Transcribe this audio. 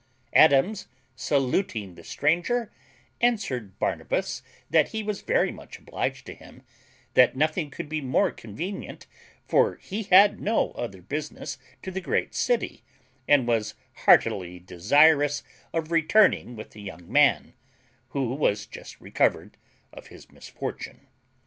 Adams, saluting the stranger, answered Barnabas, that he was very much obliged to him; that nothing could be more convenient, for he had no other business to the great city, and was heartily desirous of returning with the young man, who was just recovered of his misfortune.